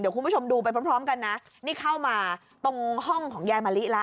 คุณผู้ชมดูไปพร้อมกันนะนี่เข้ามาตรงห้องของยายมะลิแล้ว